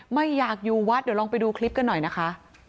ไม่อยากอยู่วัดเดี๋ยวลองไปดูคลิปกันหน่อยนะคะ